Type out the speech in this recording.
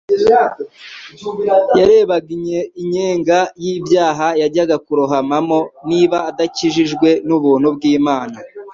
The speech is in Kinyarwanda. Yarebaga inyenga y'ibyaha yajyaga kurohamamo niba adakijijwe n'ubuntu bw'Imana.